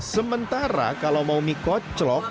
sementara kalau mau mie kocok